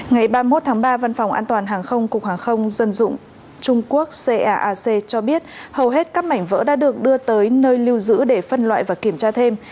ngày ba mươi một tháng ba văn phòng an toàn hàng không cục hàng không dân dụng trung quốc cac cho biết hầu hết các mảnh vỡ đã được đưa tới nơi lưu giữ để phân loại và kiểm tra thêm